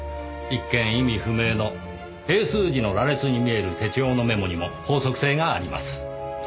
一見意味不明の英数字の羅列に見える手帳のメモにも法則性があります。